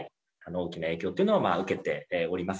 大きな影響というのは受けております。